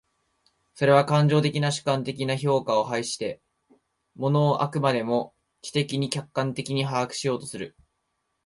それは感情的な主観的な評価を排して、物を飽くまでも知的に客観的に把握しようとする。